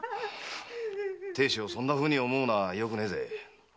亭主をそんなふうに思うのはよくないぜ。